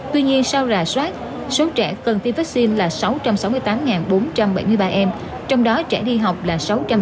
tuy nhiên sau rà soát số trẻ cần tiêm vaccine là sáu trăm sáu mươi tám bốn trăm bảy mươi ba em trong đó trẻ đi học là sáu trăm linh tám tám trăm linh chín